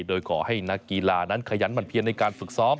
โดยขอให้นักกีฬานั้นขยันหั่นเพียนในการฝึกซ้อม